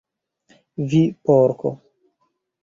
"Vi Porko!"